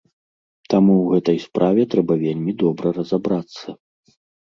Таму ў гэтай справе трэба вельмі добра разабрацца.